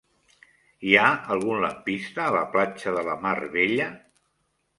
Hi ha algun lampista a la platja de la Mar Bella?